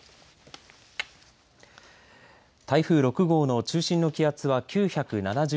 台風６号の中心の気圧は９７０